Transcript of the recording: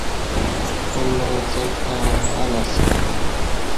اللہ څݣ تݩع اَ لہ اسہ